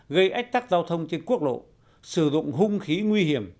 gây ách tắc giao thông trên quốc lộ sử dụng hung khí nguy hiểm